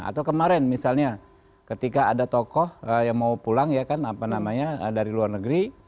atau kemarin misalnya ketika ada tokoh yang mau pulang ya kan apa namanya dari luar negeri